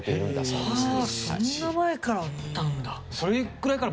そんな前からあったんだ。